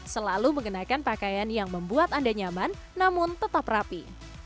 selalu mengenakan pakaian yang membuat anda nyaman namun tetap rapi